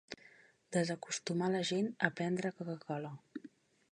Desacostumar la gent a prendre Coca-cola.